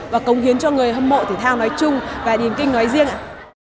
và cống hiến cho người hâm mộ thể thao nói chung và điền kinh nói riêng ạ